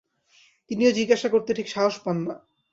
তিনিও জিজ্ঞাসা করতে ঠিক সাহস পান না।